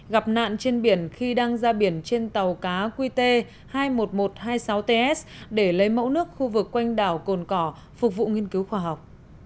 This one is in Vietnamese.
gặp nạn trên biển khi đang ra biển trên tàu cá qt hai mươi một nghìn một trăm hai mươi sáu ts để lấy mẫu nước khu vực quanh đảo cồn cỏ phục vụ nghiên cứu khoa học